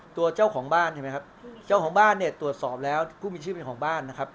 ตัวเจ้าของบ้านใช่ไหมครับเจ้าของบ้านเนี่ยตรวจสอบแล้วผู้มีชื่อเป็นของบ้านนะครับ